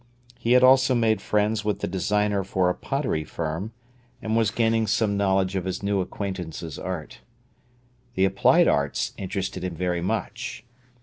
He had also made friends with the designer for a pottery firm, and was gaining some knowledge of his new acquaintance's art. The applied arts interested him very much.